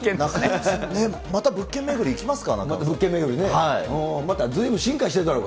また物件巡り、行きますか？